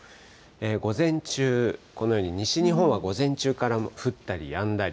午前中、このように、西日本は午前中から降ったりやんだり。